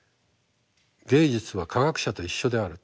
芸術は科学者と一緒である。